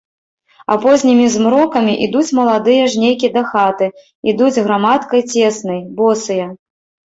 А познімі змрокамі ідуць маладыя жнейкі дахаты, ідуць грамадкай цеснай, босыя.